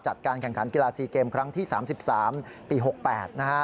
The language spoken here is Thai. จัดการแข่งขันกีฬา๔เกมครั้งที่๓๓ปี๖๘นะฮะ